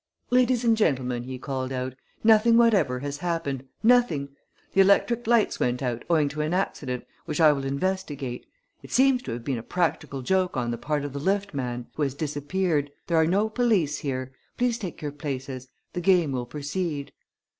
"Ladies and gentlemen," he called out, "nothing whatever has happened nothing! The electric lights went out owing to an accident, which I will investigate. It seems to have been a practical joke on the part of the lift man, who has disappeared. There are no police here. Please take your places. The game will proceed."